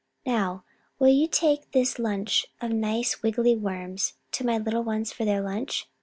Now, will you take this bunch of nice wiggly worms to my little ones for their lunch?